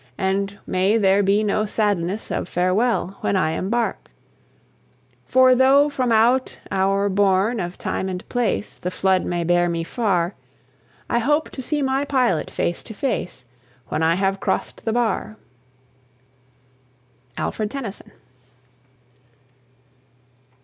And may there be no sadness of farewell, When I embark; For tho' from out our bourne of Time and Place The flood may bear me far, I hope to see my Pilot face to face When I have cross'd the bar. ALFRED TENNYSON.